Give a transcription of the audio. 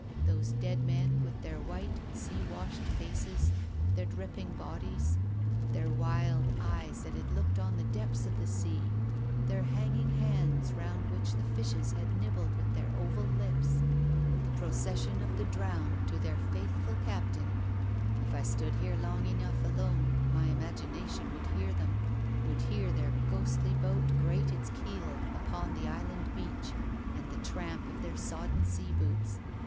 Those dead men, with their white, sea washed faces, their dripping bodies, their wild eyes that had looked on the depths of the sea, their hanging hands round which the fishes had nibbled with their oval lips ! THE RAINBOW. I'] The procession of the drowned to their faithful captain. If I stood here long enough alone my imagination would hear them, would hear their ghostly boat grate its keel upon the Island beach, and the tramp of their sodden sea boots.